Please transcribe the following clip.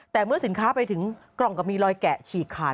แต่เมื่อสินค้าไปถึงกล่องก็มีรอยแกะฉีกขาด